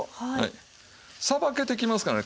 さばけてきますからね。